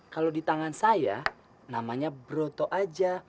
kalau di tangan saya namanya broto aja